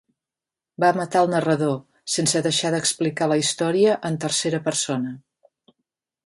Va matar el narrador, sense deixar d'explicar la història en tercera persona.